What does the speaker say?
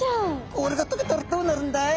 氷が解けたらどうなるんだい？